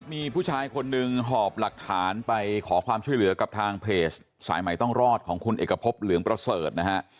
มีผู้ชายคนหนึ่งหอบหลักฐานไปขอความช่วยเหลือกับทางเพจสายใหม่ต้องรอดของคุณเอกพบเหลืองประเสริฐนะฮะ